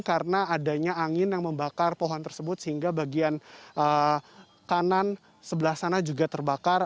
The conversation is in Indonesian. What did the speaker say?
karena adanya angin yang membakar pohon tersebut sehingga bagian kanan sebelah sana juga terbakar